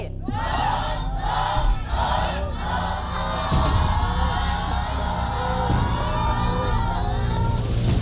โรคโรคโรคโรค